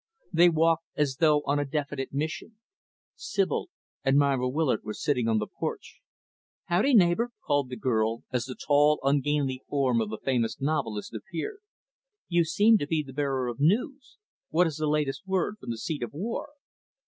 They walked as though on a definite mission. Sibyl and Myra Willard were sitting on the porch. "Howdy, neighbor," called the girl, as the tall, ungainly form of the famous novelist appeared. "You seem to be the bearer of news. What is the latest word from the seat of war?"